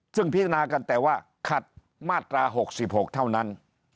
ซึ่งพิจารณากันแต่ว่าขัดมาตรา๖๖เท่านั้น